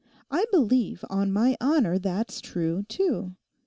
I believe on my honour that's true too.